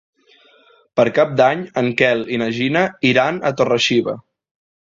Per Cap d'Any en Quel i na Gina iran a Torre-xiva.